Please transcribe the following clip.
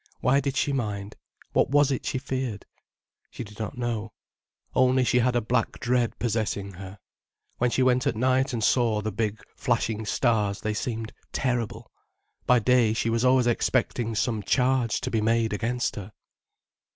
Why did she mind, what was it she feared? She did not know. Only she had a black dread possessing her. When she went at night and saw the big, flashing stars they seemed terrible, by day she was always expecting some charge to be made against her.